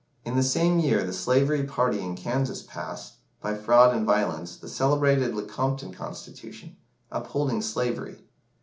In the same year the slavery party in Kansas passed, by fraud and violence, the celebrated Lecompton Constitution, upholding slavery.